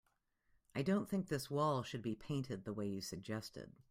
I don't think this wall should be painted the way you suggested.